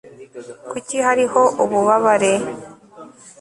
kuki hariho ububabare